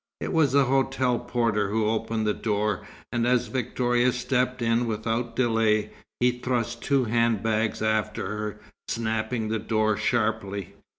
It was the hotel porter who opened the door, and as Victoria stepped in without delay, he thrust two hand bags after her, snapping the door sharply.